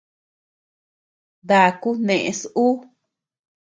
Daku neés uu.